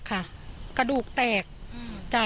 ก็กลายเป็นว่าติดต่อพี่น้องคู่นี้ไม่ได้เลยค่ะ